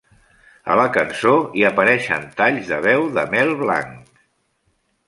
A la cançó hi apareixien talls de veu de Mel Blanc.